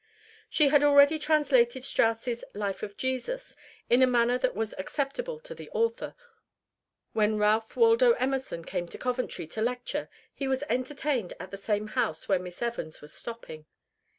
She had already translated Strauss's "Life of Jesus" in a manner that was acceptable to the author. When Ralph Waldo Emerson came to Coventry to lecture, he was entertained at the same house where Miss Evans was stopping.